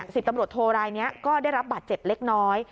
สิบตำรวจโทรรายนี้ก็ได้รับบาดเจ็บเล็กน้อย